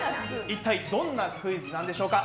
一体どんなクイズなんでしょうか？